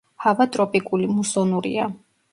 ჰავა ტროპიკული, მუსონურია.